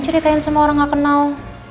ceritain semua orang gak kenal